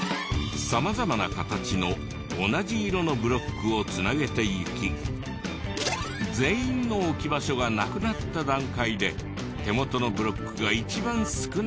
様々な形の同じ色のブロックを繋げていき全員の置き場所がなくなった段階で手元のブロックが一番少ない人の勝ち。